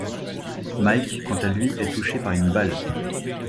Mike, quant à lui, est touché par une balle.